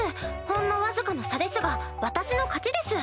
ほんのわずかの差ですが私の勝ちです。